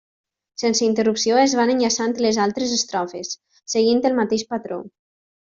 Sense interrupció es van enllaçant les altres estrofes, seguint el mateix patró.